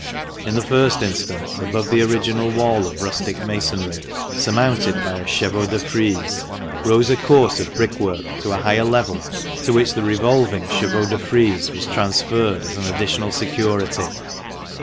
In the first instance, above the original wall of rustic masonry, surmounted by a chevaux de frise, rose a course of brick work to a higher level, to which the revolving chevaux de frise was transferred as an additional security.